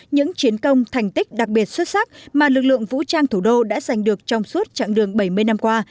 những chiến công thành tích đặc biệt xuất sắc mà lực lượng vũ trang thủ đô đã giành được trong suốt chặng đường bảy mươi năm qua